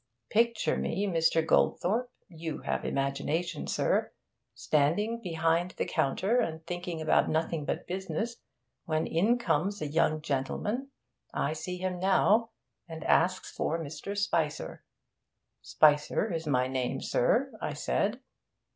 Picture me, Mr. Goldthorpe you have imagination, sir standing behind the counter and thinking about nothing but business, when in comes a young gentleman I see him now and asks for Mr. Spicer. "Spicer is my name, sir," I said.